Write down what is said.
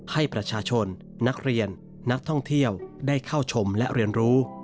ให้ประชาชนนักเรียนนักท่องเที่ยวได้เข้าชมและเรียนรู้